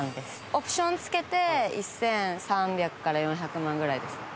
オプションつけて１，３００１，４００万ぐらいですね。